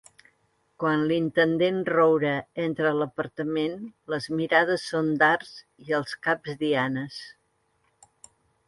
Quan l'intendent Roure entra a l'apartament les mirades són dards i els caps dianes.